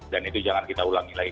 itu jangan kita ulangi lagi